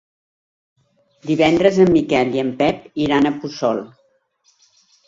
Divendres en Miquel i en Pep iran a Puçol.